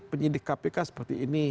penyidik kpk seperti ini